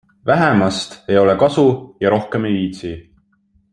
Vähemast ei ole kasu ja rohkem ei viitsi.